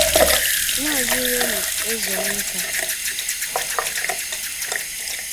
Maazị Rommy Ezeonwuka